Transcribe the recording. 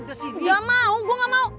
gak mau gue gak mau